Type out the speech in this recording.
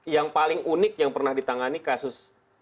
yang paling unik yang pernah ditangani kasus ini adalah